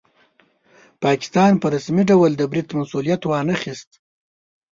پاکستان په رسمي ډول د برید مسوولیت وانه خیست.